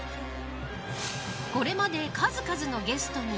これまで数々のゲストに。